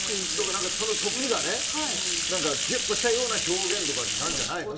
その時がねギュッとしたような表現なんじゃないの。